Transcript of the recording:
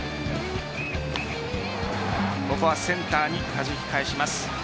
ここはセンターにはじき返します。